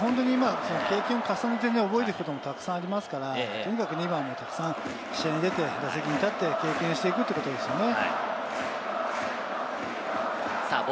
経験を重ねて覚えていくこともたくさんありますから、とにかくたくさん試合に出て、打席に立って経験していくっていうことですよね。